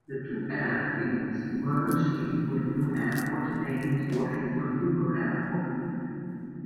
The two airfields merged into a new airport named Washington-Hoover Airport.